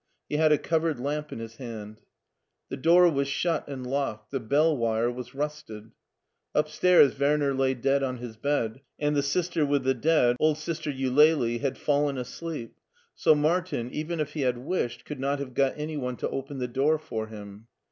He had a covered lamp in his hand. The door was shut and locked, the bell wire was rusted. Upstairs Werner lay dead on his bed, and the Sister with the dead, old Sister Eulalie, had fallen asleep, so Martin, even if he had wished, could not have got any one to open, the door for him.